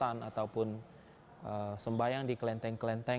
yang kedua itu mereka biasanya melakukan penghormatan atau sembahyang di kelenteng kelenteng